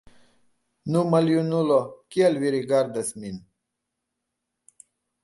Nu, maljunulo, kial vi rigardas min?